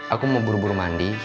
aku mau buru buru mandi